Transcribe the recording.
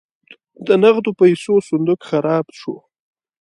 د نغدو پیسو صندوق خراب شو.